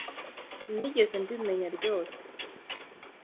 Sinigeze mbimenya ryose